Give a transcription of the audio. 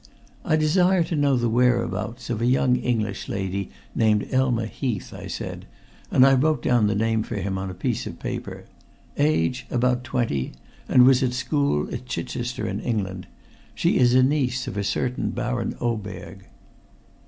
"I desire to know the whereabouts of a young English lady named Elma Heath," I said, and I wrote down the name for him upon a piece of paper. "Age about twenty, and was at school at Chichester, in England. She is a niece of a certain Baron Oberg."